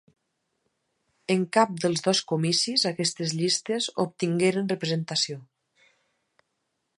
En cap dels dos comicis aquestes llistes obtingueren representació.